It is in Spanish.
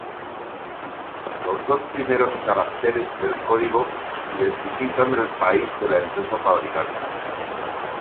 Los dos primeros caracteres del código identifican el país de la empresa fabricante.